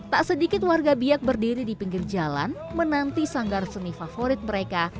tak sedikit warga biak berdiri di pinggir jalan menanti sanggar seni favorit mereka